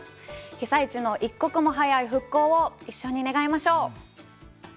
被災地の一刻も早い復興を一緒に願いましょう。